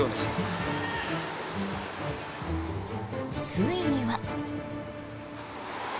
ついには。